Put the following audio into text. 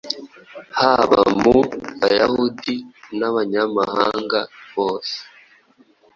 haba mu Bayahudi n’Abanyamahanga bose